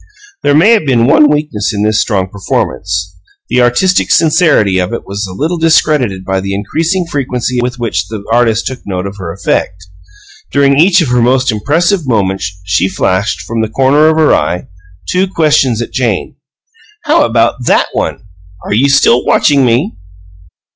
There may have been one weakness in this strong performance: the artistic sincerity of it was a little discredited by the increasing frequency with which the artist took note of her effect. During each of her most impressive moments, she flashed, from the far corner of her eye, two questions at Jane: "How about THAT one? Are you still watching Me?"